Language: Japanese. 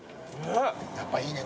やっぱいいね